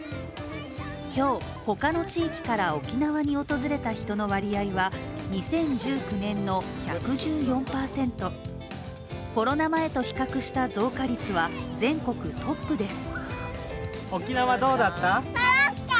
今日、ほかの地域から沖縄に訪れた人の割合は２０１９年の１１４％コロナ前と比較した増加率は全国トップです。